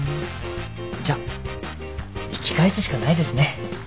じゃ引き返すしかないですね。